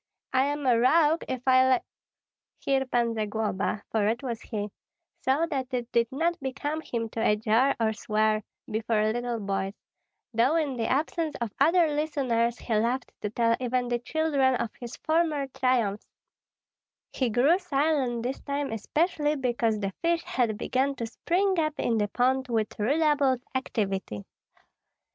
I am a rogue if I li " Here Pan Zagloba for it was he saw that it did not become him to adjure or swear before little boys, though in the absence of other listeners he loved to tell even the children of his former triumphs; he grew silent this time especially because the fish had begun to spring up in the pond with redoubled activity.